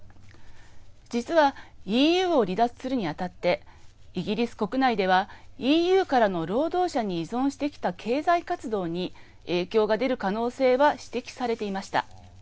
実は、ＥＵを離脱するにあたってイギリス国内ではＥＵからの労働者に依存してきた経済活動に影響が出る可能性は指摘されていました。